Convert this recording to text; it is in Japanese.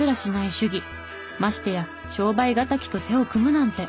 ましてや商売敵と手を組むなんて。